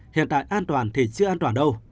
hiện tại an toàn thì chưa an toàn đâu